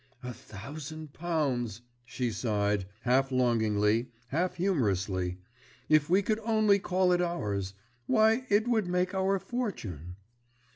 "A thousand pounds!" she sighed, half longingly, half humorously. "If we could only call it ours! Why, it would make our fortune!"